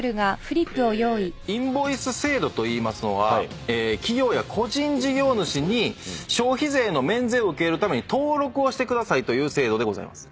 インボイス制度といいますのは企業や個人事業主に消費税の免税を受けるために登録をしてくださいという制度でございます。